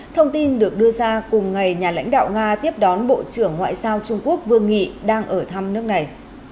thông tin được đưa ra cùng ngày nhà lãnh đạo nga tiếp đón bộ trưởng ngoại giao trung quốc vương nghị đang ở thăm nước này